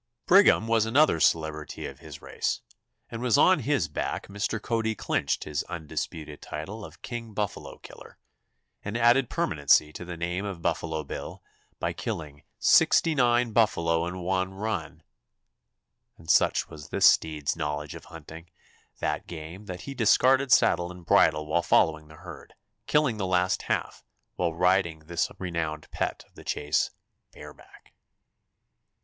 Brigham was another celebrity of his race, and it was on his back Mr. Cody clinched his undisputed title of "King Buffalo killer," and added permanency to the name of Buffalo Bill by killing sixty nine buffalo in one run; and such was this steed's knowledge of hunting that game that he discarded saddle and bridle while following the herd, killing the last half while riding this renowned pet of the chase bareback.